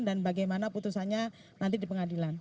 dan bagaimana putusannya nanti di pengadilan